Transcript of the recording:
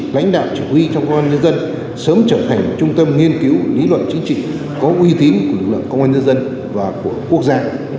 lãnh đạo chủ huy trong công an nhân dân sớm trở thành trung tâm nghiên cứu lý luận chính trị có uy tín của lực lượng công an nhân dân và của quốc gia